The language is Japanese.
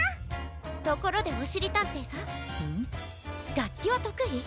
がっきはとくい？